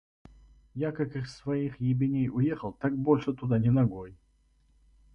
Я как из своих ебеней уехал, так больше туда ни ногой!